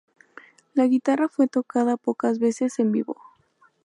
La guitarra fue tocada pocas veces en vivo.